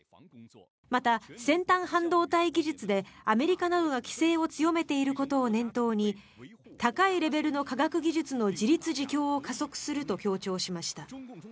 また、先端半導体技術でアメリカなどが規制を強めていることを念頭に高いレベルの科学技術の自立自強を加速すると強調しました。